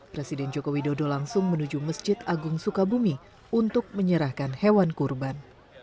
presiden joko widodo langsung menuju masjid agung sukabumi untuk menyerahkan hewan kurban